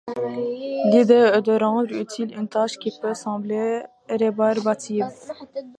L'idée est de rendre utile une tâche qui peut sembler rébarbative.